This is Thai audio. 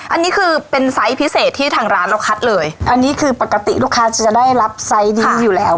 อันนี้คือเป็นไซส์พิเศษที่ทางร้านเราคัดเลยอันนี้คือปกติลูกค้าจะได้รับไซส์นี้อยู่แล้ว